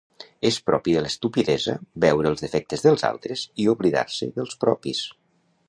És propi de l'estupidesa veure els defectes dels altres i oblidar-se dels propis.